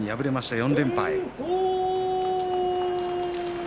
４連敗。